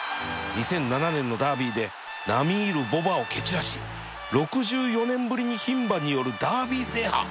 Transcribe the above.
２００７年のダービーで並み居る牡馬を蹴散らし６４年ぶりに牝馬によるダービー制覇